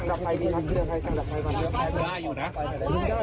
เต็มไหมเต็มแล้วเต็มแล้วเต็มแล้วเต็มไม่ไม่เก็บ